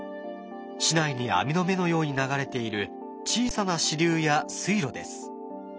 市内に網の目のように流れている小さな支流や水路です。